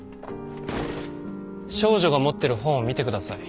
少女が持ってる本を見てください。